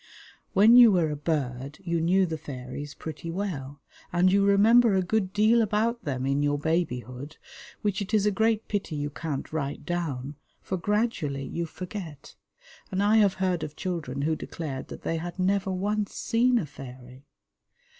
When you were a bird you knew the fairies pretty well, and you remember a good deal about them in your babyhood, which it is a great pity you can't write down, for gradually you forget, and I have heard of children who declared that they had never once seen a fairy.